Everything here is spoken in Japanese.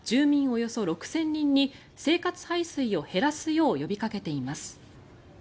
およそ６０００人に生活排水を減らすよう呼びかけています。